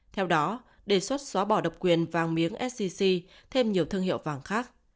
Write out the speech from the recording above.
theo đó đề xuất xóa bỏ độc quyền vàng miếng sgc thêm nhiều thương hiệu vàng khác